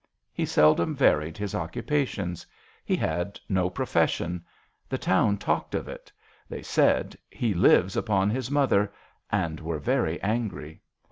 He seldom varied his occupations. He had no pro fession. The town talked of it. They said :" He lives upon his mother," and were very angry.